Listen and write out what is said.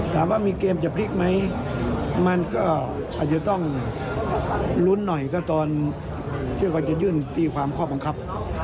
ถามว่ามีเกมจะพลิกไหมมันก็อาจจะต้องลุ้นหน่อยก็ตอนที่เขาจะยื่นตีความข้อบังคับ